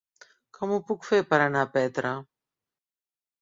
Com ho puc fer per anar a Petra?